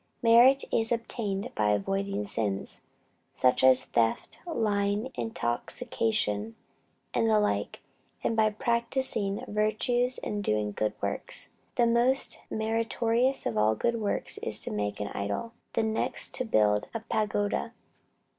Merit is obtained by avoiding sins, such as theft, lying, intoxication, and the like; and by practising virtues and doing good works. The most meritorious of all good works is to make an idol; the next to build a pagoda.